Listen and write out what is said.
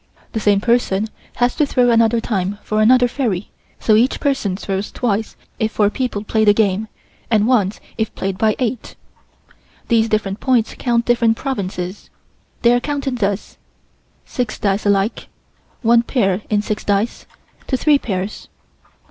The same person has to throw another time for another fairy, so each person throws twice if four people play the game, and once if played by eight. These different points count different provinces. They are counted thus: Six dice alike. One pair in six dice, to three pairs.